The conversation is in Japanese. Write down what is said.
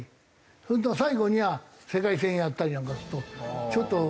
それと最後には世界戦をやったりなんかするとちょっと。